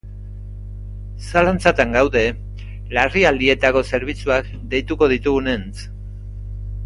Zalantzatan gaude larrialdietako zerbitzuak deituko ditugunentz.